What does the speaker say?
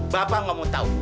bapak nggak mau tahu